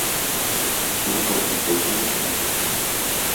يول توپىلىق بولسىمۇ تۈز ئىدى.